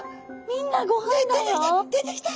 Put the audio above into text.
みんなごはんだよ！